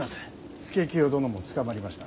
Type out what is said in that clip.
祐清殿も捕まりました。